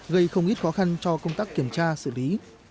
gây không ít khó khăn cho công tác kiểm tra xử lý